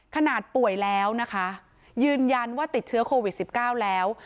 ขนาดป่วยแล้วนะคะยืนยันว่าติดเชื้อโควิด๑๙แล้ว